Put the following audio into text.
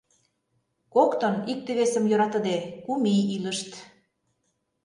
Коктын, икте-весым йӧратыде, кум ий илышт.